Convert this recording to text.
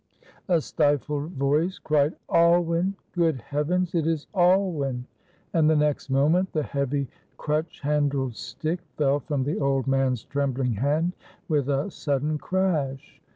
A stifled voice cried, "Alwyn! Good Heavens! it is Alwyn!" and the next moment the heavy crutch handled stick fell from the old man's trembling hand with a sudden crash.